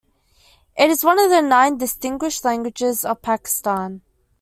It is one of the nine distinguished languages of Pakistan.